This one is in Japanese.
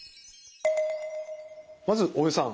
まず大江さん